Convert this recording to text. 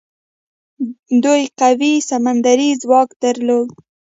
دوی قوي سمندري ځواک درلود.